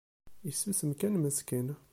Isusem kan meskin.